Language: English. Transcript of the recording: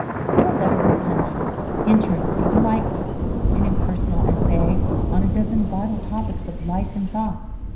The whole letter was pungent, interesting, delightful an impersonal essay on a dozen vital topics of life and thought.